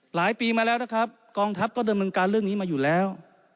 หลายปีมาแล้วนะครับกองทัพก็ดำเนินการเรื่องนี้มาอยู่แล้ว